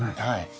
はい。